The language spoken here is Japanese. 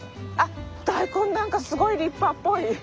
あっ大根何かすごい立派っぽい。